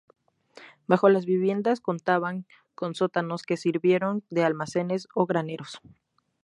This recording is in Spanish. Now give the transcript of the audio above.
Bajo las viviendas contaban con sótanos que sirvieron de almacenes o graneros.